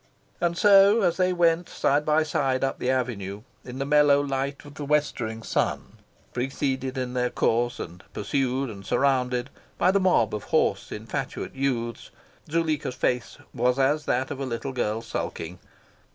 And so, as they went side by side up the avenue, in the mellow light of the westering sun, preceded in their course, and pursued, and surrounded, by the mob of hoarse infatuate youths, Zuleika's face was as that of a little girl sulking.